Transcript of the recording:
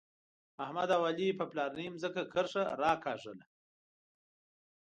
احمد او علي په پلارنۍ ځمکه کرښه راکاږله.